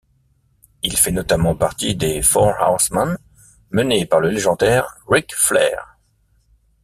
Il fait notamment partie des Four Horsemen, menés par le légendaire Ric Flair.